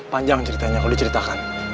panjang ceritanya kalau diceritakan